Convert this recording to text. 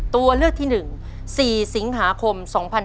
ตัวเลือกที่หนึ่ง๔สิงหาคม๒๕๐๔